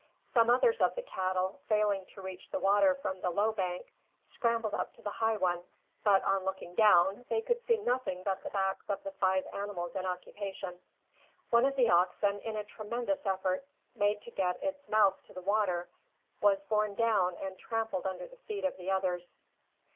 Some others of the cattle, failing to reach the water from the low bank, scrambled up to the high one; but, on looking down, they could see nothing but the backs of the five animals in occupation. One of the oxen, in a tremendous effort made to get its mouth to the water, was borne down and trampled under the feet of the others.